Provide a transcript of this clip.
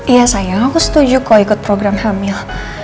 iya sayang aku setuju kok ikut program hamil